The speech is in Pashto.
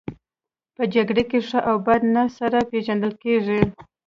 په جګړه کې ښه او بد نه سره پېژندل کیږي